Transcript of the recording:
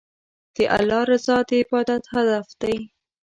د الله رضا د عبادت هدف دی.